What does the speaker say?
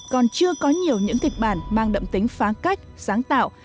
còn chưa có nhiều những kịch bản mang đậm tính phá cách sáng tạo